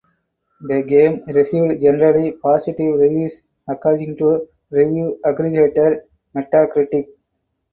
The game received "generally positive reviews" according to review aggregator Metacritic.